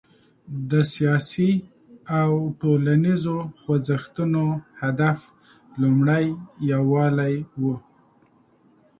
د سیاسي او ټولنیزو خوځښتونو هدف لومړی یووالی و.